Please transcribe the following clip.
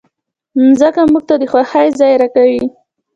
مځکه موږ ته د خوښۍ ځای راکوي.